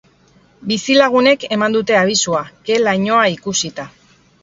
Bizilagunek eman dute abisua, ke-lainoa ikusita.